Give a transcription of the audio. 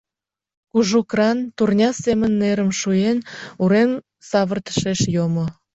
Кужу кран, турня семын нерым шуен, урем савыртышеш йомо.